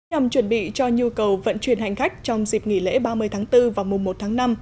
nhằm chuẩn bị cho nhu cầu vận chuyển hành khách trong dịp nghỉ lễ ba mươi tháng bốn và mùa một tháng năm